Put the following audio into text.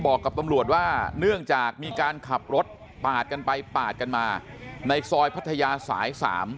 บอกกับตำรวจว่าเนื่องจากมีการขับรถปาดกันไปปาดกันมาในซอยพัทยาสาย๓